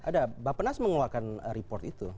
ada bapak nas mengeluarkan report itu